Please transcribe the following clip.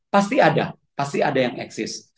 pasti ada pasti ada yang eksis